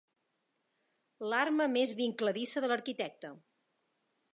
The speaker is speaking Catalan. L'arma més vincladissa de l'arquitecte.